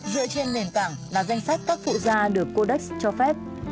dựa trên nền tảng là danh sách các phụ gia được codex cho phép